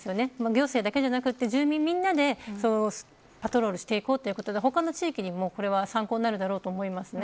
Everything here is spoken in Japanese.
行政だけでなく、住民みんなでパトロールしていこうということで、他の地域にもこれは参考になるだろうと思います。